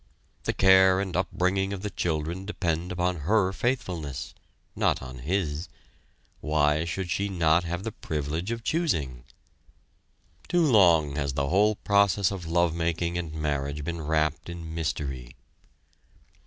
The care and upbringing of the children depend upon her faithfulness, not on his. Why should she not have the privilege of choosing? Too long has the whole process of love making and marriage been wrapped in mystery.